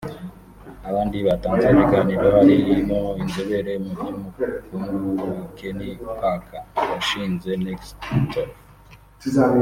Abandi batanze ibiganiro harimo inzobere mu by’ubukungu Ken Parker washinze NextThought